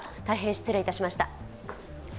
大変失礼いたしました。